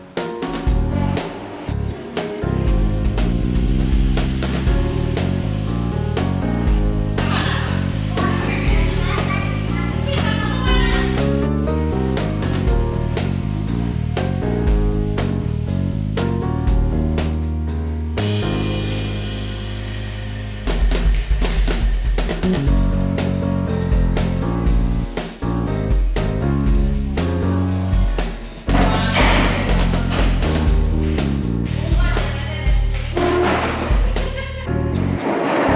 takutnya kebagian bangku